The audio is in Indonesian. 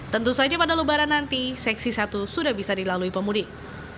tentu saja pada lebaran nanti seksi satu sudah bisa dilalui pemudik